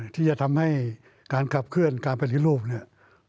ที่จะทำให้การขับเคลื่อนการปฏิรูปเนี่ย